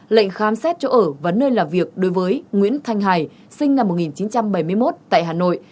lệnh khám xét chỗ ở và nơi làm việc đối với nguyễn thanh hải sinh năm một nghìn chín trăm bảy mươi một tại hà nội